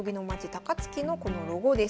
高槻のこのロゴです。